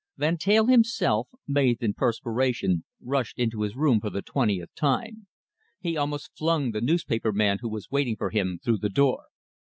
Van Teyl himself, bathed in perspiration, rushed into his room for the twentieth time. He almost flung the newspaper man who was waiting for him through the door.